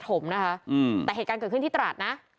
แต่เหตุการณ์เกิดขึ้นที่ตราดนะ